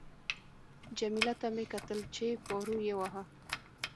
جميله ته مې کتل چې پارو یې واهه.